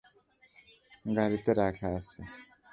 গাড়িতে রাখা আছে।